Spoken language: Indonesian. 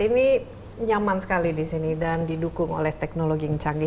ini nyaman sekali di sini dan didukung oleh teknologi yang canggih